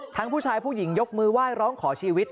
ทั้งผู้ชายผู้หญิงยกมือว่ายร้องขอชีวิต